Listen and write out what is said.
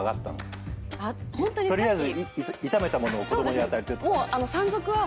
取りあえず炒めた物を子供に与えて。